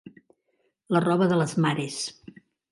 La roba de les mares.